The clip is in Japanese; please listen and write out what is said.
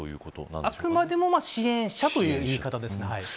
あくまでも支援者という言い方です。